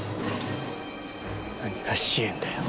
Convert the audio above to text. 何が支援だよ。